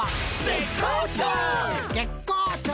「絶好調」